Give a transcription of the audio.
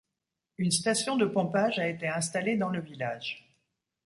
Une station de pompage a été installée dans le village.